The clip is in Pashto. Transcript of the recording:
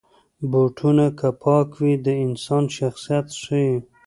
بوټونه که پاک وي، د انسان شخصیت ښيي.